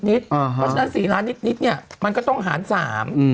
เพราะฉะนั้น๔ล้านนิดนิดเนี่ยมันก็ต้องหารสาม